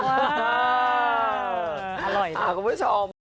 อร่อยนะครับคุณผู้ชม